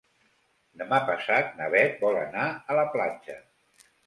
Demà passat na Bet vol anar a la platja.